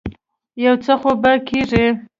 يو څه خو به کېږي.